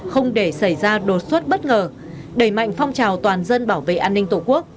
không để xảy ra đột xuất bất ngờ đẩy mạnh phong trào toàn dân bảo vệ an ninh tổ quốc